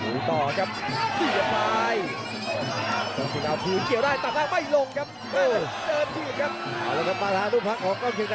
เอาละครับมาแล้วรูปภักด์ของต้องเชียบดาวแตะตู้ครับเจ้าที่เซล